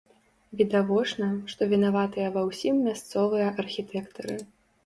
Відавочна, што вінаватыя ва ўсім мясцовыя архітэктары.